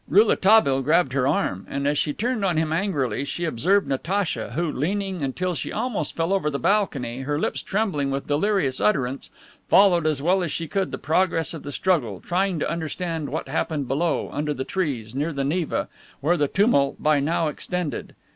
Rouletabille grabbed her arm and as she turned on him angrily she observed Natacha, who, leaning until she almost fell over the balcony, her lips trembling with delirious utterance, followed as well as she could the progress of the struggle, trying to understand what happened below, under the trees, near the Neva, where the tumult by now extended.